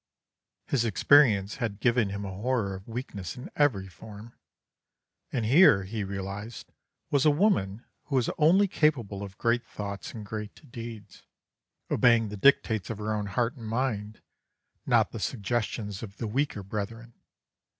_' "His experience had given him a horror of weakness in every form, and here, he realised, was a woman who was only capable of great thoughts and great deeds, obeying the dictates of her own heart and mind, not the suggestions of the weaker brethren.